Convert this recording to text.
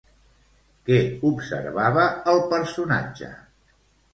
Què observava el personatge?